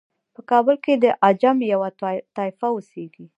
په کابل کې د عجم یوه طایفه اوسیږي.